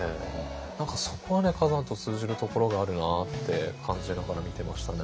何かそこはね崋山と通じるところがあるなって感じながら見てましたね。